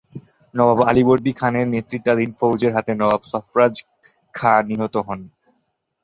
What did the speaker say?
নবাব আলীবর্দী খানের নেতৃত্বাধীন ফৌজের হাতে নবাব সরফরাজ খাঁ নিহত হন।